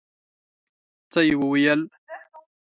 څه يې وويل.